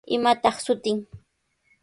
¿Imataq shutin?